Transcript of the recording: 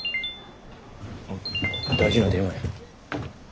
大事な電話や。